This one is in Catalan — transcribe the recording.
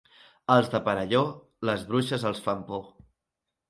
Als de Perelló les bruixes els fan por.